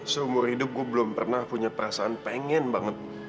seumur hidup gue belum pernah punya perasaan pengen banget